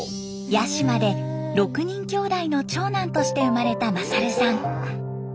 八島で６人兄弟の長男として生まれた勝さん。